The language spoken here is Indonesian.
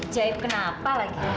jaib kenapa lagi